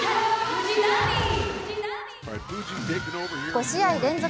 ５試合連続